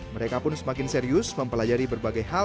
mereka pun semakin serius mempelajari berbagai hal